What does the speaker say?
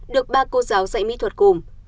được ba cô giáo dạy mỹ thuật gồm